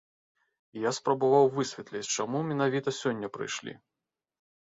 Я спрабаваў высветліць чаму менавіта сёння прыйшлі.